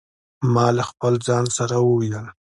ما له خپل ځانه سره وویل.